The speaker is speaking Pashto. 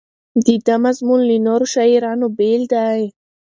د ده مضمون له نورو شاعرانو بېل دی.